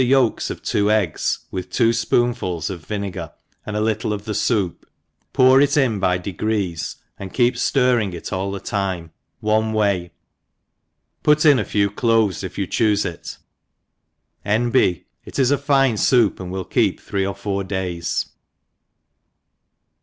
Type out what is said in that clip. yolks of two cggis, with two fpoon fuls of vinegar, and a little of the foup, pour it in by degrees, and keep ftirring it %\\ the time one way, put in a few cloves if you choofe it. ^ N. B. It «9>4 fine foup, and will keep three or four days.